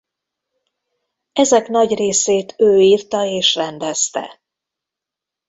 Ezek nagy részét ő írta és rendezte.